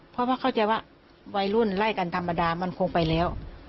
เพราะว่าเข้าใจว่าวัยรุ่นไล่กันธรรมดามันคงไปแล้ว